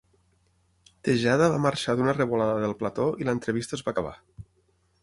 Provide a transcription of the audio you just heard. Tejada va marxar d'una revolada del plató i l'entrevista es va acabar.